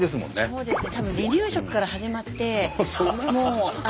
そうですね。